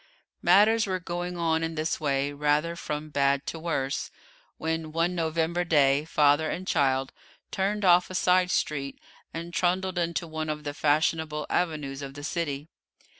Matters were going on in this way, rather from bad to worse, when one November day father and child turned off a side street, and trundled into one of the fashionable avenues of the city.